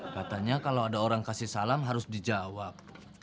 katanya kalau ada orang kasih salam harus dijawab